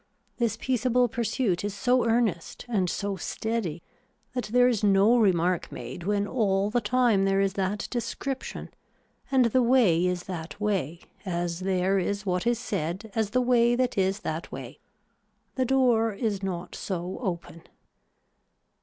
This peaceable pursuit is so earnest and so steady that there is no remark made when all the time there is that description and the way is that way as there is what is said as the way that is that way. The door is not so open.